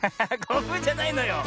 こぶじゃないのよ。